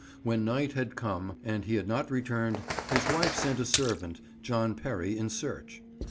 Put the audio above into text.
When night had come and he had not returned, his wife sent a servant, John Perry, in search.